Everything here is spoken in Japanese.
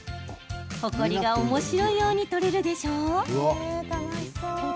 ほこりが、おもしろいように取れるでしょう。